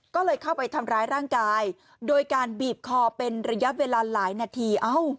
ก็เลยเข้าไปทำร้ายร่างกายโดยการบีบคอเป็นระยะเวลาหลายนาที